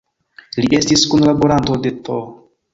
Li estis kunlaboranto de Th.